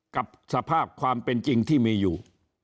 กับสภาพความเป็นจริงที่มีอยู่